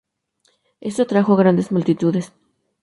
Esto atrajo grandes multitudes.